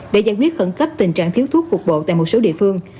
để giải quyết khẩn cấp tình trạng thiếu thuốc cục bộ tại một số địa phương